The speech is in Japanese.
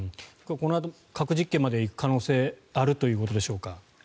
核実験まで行く可能性あるということでしょうか。